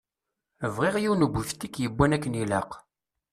Bɣiɣ yiwen ubiftik yewwan akken ilaq.